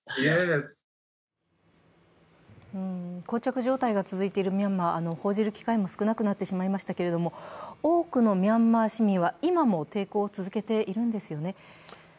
こう着状態が続いているミャンマー、報じる機会が少なくなってしまいましたが、多くのミャンマー市民は今も抵抗を続けているんですよね。